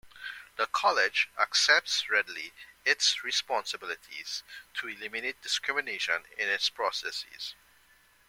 The College accepts readily its responsibility to eliminate discrimination in its processes.